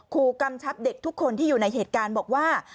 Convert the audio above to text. กำชับเด็กทุกคนที่อยู่ในเหตุการณ์บอกว่า